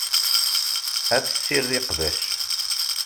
Ad tessired iqbac.